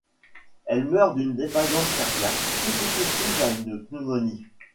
Elle meurt d'une défaillance cardiaque consécutive à une pneumonie.